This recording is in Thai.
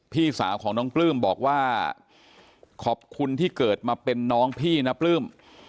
พี่สาวของน้องปลื้มบอกว่าขอบคุณที่เกิดมาเป็นน้องพี่นะปลื้ม